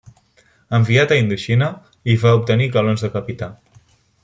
Enviat a Indoxina, hi va obtenir galons de capità.